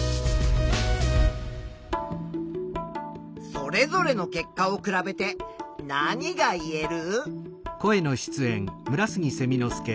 それぞれの結果を比べて何がいえる？